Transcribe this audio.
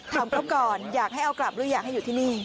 กรบก่อนอยากให้เอากลับหรืออยากให้อยู่ที่นี่